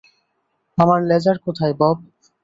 আমার লেজার কোথায়, বব?